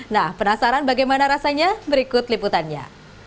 nah penasaran bagaimana rasanya berikut liputannya